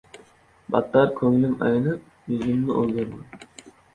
Battar ko‘nglim aynib, yuzimni o‘girdim.